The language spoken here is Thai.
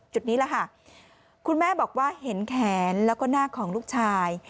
นี้แหละค่ะคุณแม่บอกว่าเห็นแขนแล้วก็หน้าของลูกชาย